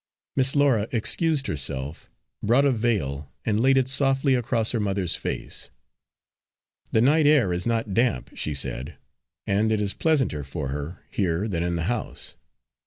Miss Laura excused herself, brought a veil, and laid it softly across her mother's face. "The night air is not damp," she said, "and it is pleasanter for her here than in the house.